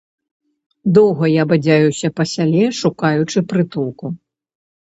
Доўга я бадзяюся па сяле, шукаючы прытулку.